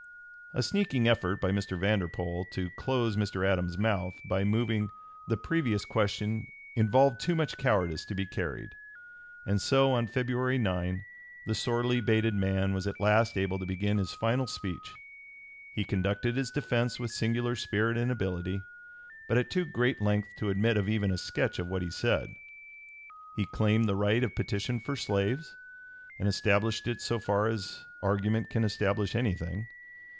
A sneaking effort by Mr. Vanderpoel to close Mr. Adams's mouth by moving the (p. 277) previous question involved too much cowardice to be carried; and so on February 9 the sorely bated man was at last able to begin his final speech. He conducted his defence with singular spirit and ability, but at too great length to admit of even a sketch of what he said. He claimed the right of petition for slaves, and established it so far as argument can establish anything.